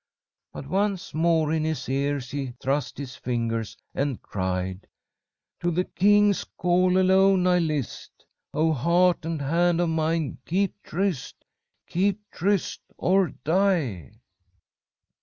But once more in his ears he thrust his fingers and cried: "'To the king's call alone I'll list! Oh, heart and hand of mine, keep tryst Keep tryst or die!'